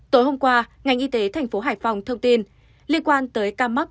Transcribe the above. tối hôm qua ngành y tế thành phố hải phòng thông tin liên quan tới ca mắc